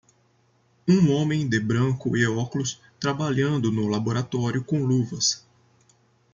Um homem de branco e óculos, trabalhando no laboratório com luvas